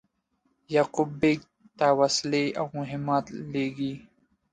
یعقوب بېګ ته وسلې او مهمات لېږي.